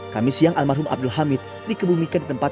kami siang almarhum abdul hamid dikebumikan di tempat